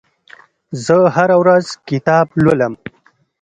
زه هره ورځ کتاب لولم.